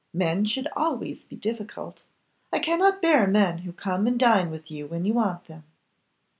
Men should always be difficult. I cannot bear men who come and dine with you when you want them.